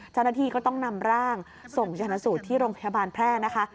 เจ้าหน้าที่ก็ต้องนำร่างส่งชนะสูตรที่โรงพยาบาลแพร่นะคะ